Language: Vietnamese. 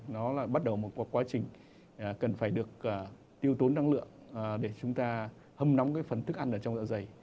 nó là bắt đầu một quá trình cần phải được tiêu tốn năng lượng để chúng ta hâm nóng cái phần thức ăn ở trong dạ dày